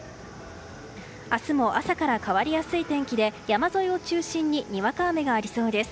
明日も朝から変わりやすい天気で山沿いを中心ににわか雨がありそうです。